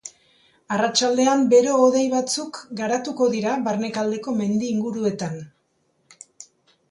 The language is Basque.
Arratsaldean, bero-hodei batzuk garatuko dira barnealdeko mendi inguruetan.